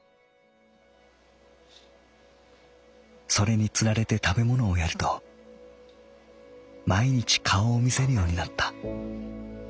「それに釣られて食べものをやると毎日顔を見せるようになった。